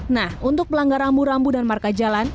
nah untuk pelanggar rambu rambu dan marka jalan